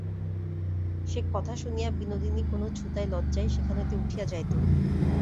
সে কথা শুনিয়া বিনোদিনী কোনো ছুতায় লজ্জায় সেখান হইতে উঠিয়া যাইত।